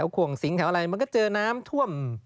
ขวงสิงแถวอะไรมันก็เจอน้ำท่วม